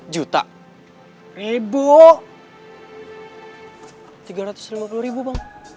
gua gak bercoba